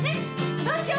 そうしよ！